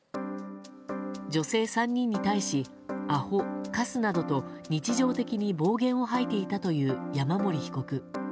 女性３人に対しアホ、カスなどと日常的に暴言を吐いていたという山森被告。